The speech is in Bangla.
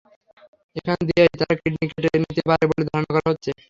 এখান দিয়েই তারা কিডনি কেটে নিতে পারে বলে ধারণা করা হচ্ছে।